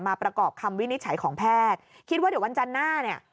ประกอบคำวินิจฉัยของแพทย์คิดว่าเดี๋ยววันจันทร์หน้าเนี่ย